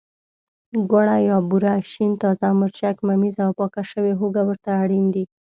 ګوړه یا بوره، شین تازه مرچک، ممیز او پاکه شوې هوګه ورته اړین دي.